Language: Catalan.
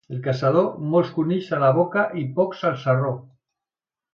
El caçador, molts conills a la boca i pocs al sarró.